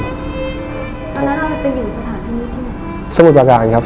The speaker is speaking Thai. ตอนนั้นทำไมผมอยู่สถานที่นี่ที่ไหน